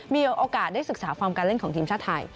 มีโอกาสได้ศึกษาฟอร์มการเล่นของทีมชาติไทย